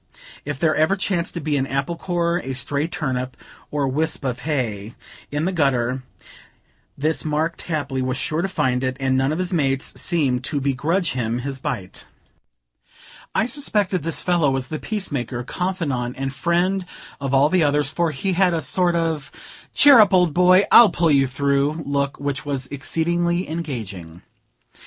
If there ever chanced to be an apple core, a stray turnip, or wisp of hay, in the gutter, this Mark Tapley was sure to find it, and none of his mates seemed to begrudge him his bite. I suspected this fellow was the peacemaker, confidant and friend of all the others, for he had a sort of "Cheer up, old boy, I'll pull you through" look, which was exceedingly engaging.